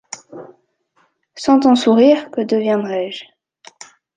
Sans ton sourire, que deviendrais-je ?